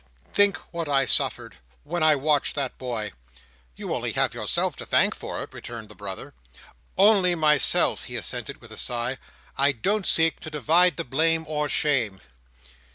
Think what I suffered, when I watched that boy." "You have only yourself to thank for it," returned the brother. "Only myself," he assented with a sigh. "I don't seek to divide the blame or shame."